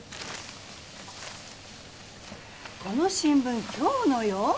この新聞今日のよ。